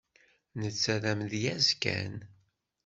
Netta d amedyaz kan.